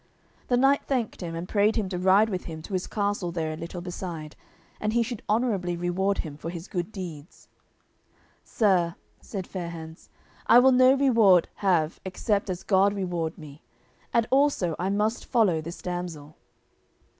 The knight thanked him, and prayed him to ride with him to his castle there a little beside, and he should honourably reward him for his good deeds. "Sir," said Fair hands, "I will no reward have except as God reward me. And also I must follow this damsel."